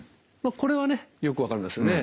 これはねよく分かりますよね。